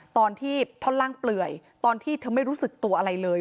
ตอนที่ท่อนล่างเปลื่อยตอนที่เธอไม่รู้สึกตัวอะไรเลย